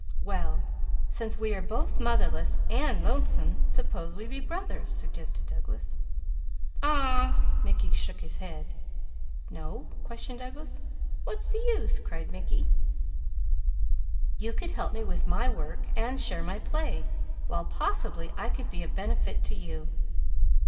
"Well since we are both motherless and lonesome, suppose we be brothers!" suggested Douglas. "Aw w w!" Mickey shook his head. "No?" questioned Douglas. "What's the use?" cried Mickey. "You could help me with my work and share my play, while possibly I could be of benefit to you."